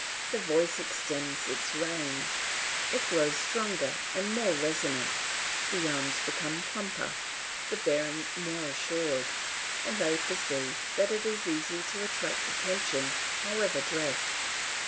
The voice extends its range, it grows stronger and more resonant, the arms become plumper, the bearing more assured, and they perceive that it is easy to attract attention however dressed.